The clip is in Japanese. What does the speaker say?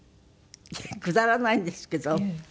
くだらないんですけど。